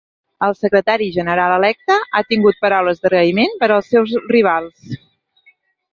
El secretari general electe ha tingut paraules d’agraïment per als seus rivals.